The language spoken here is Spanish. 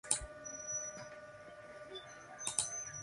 Ninguna de estas series ha sido adaptada al español.